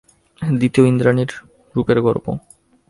দ্বিতীয়, ইন্দ্রাণীর রূপের গর্ব।